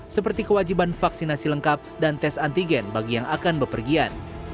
seperti kewajiban vaksinasi lengkap dan tes antigen bagi yang akan bepergian